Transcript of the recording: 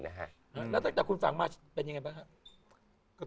แล้วตั้งแต่คุณฝังมาเป็นยังไงบ้างครับ